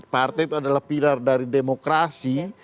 partai itu adalah pilar dari demokrasi